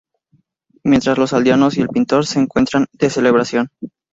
Mientras los aldeanos y el pintor se encuentran de celebración.